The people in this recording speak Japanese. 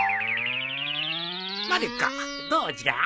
まる子どうじゃ？